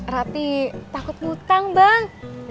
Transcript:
rati takut hutang bang